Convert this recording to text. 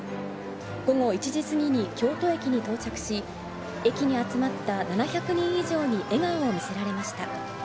午後１時過ぎに京都駅に到着し、駅に集まった７００人以上に笑顔を見せられました。